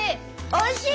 おいしい。